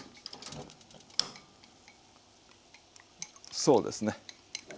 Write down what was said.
そうですね。